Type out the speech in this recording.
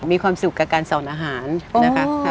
มีความสุขกับการสอนอาหารนะคะ